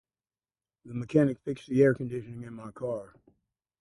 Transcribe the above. The mechanic fixed the air conditioning in my car.